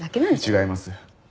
違います。